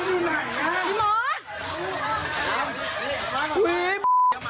พ้นโรงงานเลยพ้นโรงงานเดี๋ยวน้องคุ้ม